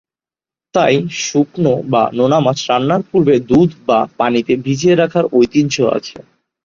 তাই শুকনো বা নোনা মাছ রান্নার পূর্বে দুধ বা পানিতে ভিজিয়ে রাখার ঐতিহ্য আছে।